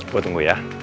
gue tunggu ya